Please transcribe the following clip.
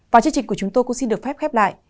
và chương trình của chúng tôi cũng xin được phép khép lại